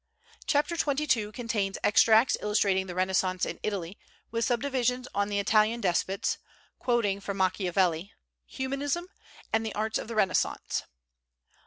Chapter xxii contains extracts illustrating the Renaissance in Italy, with subdivisions on the Italian despots (quoting from Machiavelli), "Humanism," and the "Artists of the Renaissance."